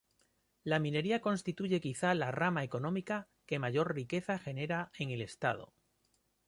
La minería constituye quizá la rama económica que mayor riqueza genera en el estado.